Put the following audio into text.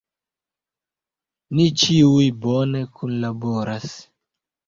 Ni ĉiuj bone kunlaboras.